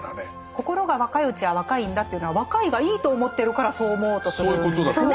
心が若いうちは若いんだっていうのは若いがいいと思ってるからそう思おうとするんですね。